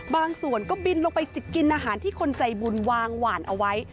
บางส่วนก็บินลงไปกินอาหารที่คนใจบุญวางหวานเอาไว้